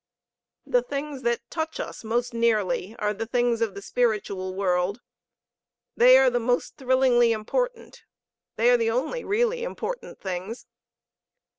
The things that touch us most nearly are the things of the spiritual world; they are the most thrillingly important; they are the only really important things.